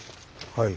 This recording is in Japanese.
はい。